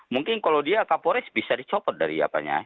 mungkin kalau dia kapolres bisa dicopot dari apanya